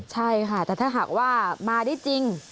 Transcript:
ใช่ค่ะแต่ถ้าหากว่ามาได้จริง